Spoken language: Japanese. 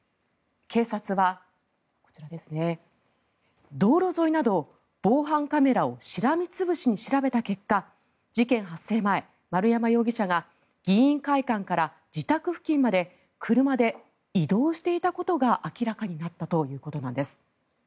警察は、道路沿いなど防犯カメラをしらみ潰しに調べた結果事件発生前、丸山容疑者が議員会館から自宅付近まで車で移動していたことが明らかになったということです。